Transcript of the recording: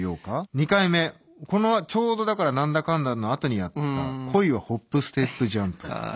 ２回目このちょうどだから「ナンダカンダ」のあとにやった「恋はホップステップジャンプ」雅マモル。